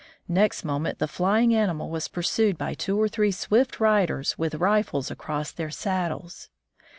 Next moment the flying ani mal was pursued by two or three swift riders with rifles across their saddles.